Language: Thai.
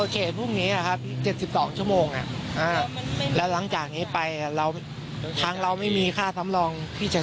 คือจะโมดเขตพรุ่งนี้๗๒ชั่วโมง